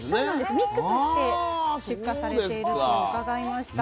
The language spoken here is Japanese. ミックスして出荷されていると伺いました。